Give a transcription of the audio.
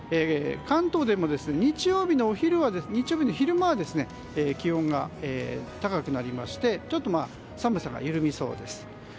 関東でも日曜日の昼間は気温が高くなりましてちょっと寒さが緩みそうです。